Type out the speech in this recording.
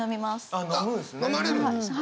あっ飲まれるんですね。